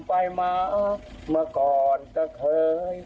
ขายมาตั้งสี่สิบกว่าปีแล้ว